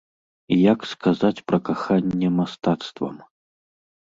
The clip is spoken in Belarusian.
І як сказаць пра каханне мастацтвам?